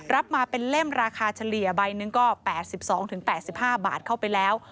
รับมาเป็นเล่มราคาเฉลี่ยใบหนึ่งก็๘๒๘๕บาทเข้าไปแล้ว